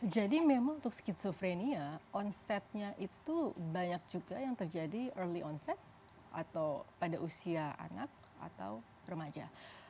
memang untuk skizofrenia onsetnya itu banyak juga yang terjadi early onset atau pada usia anak atau remaja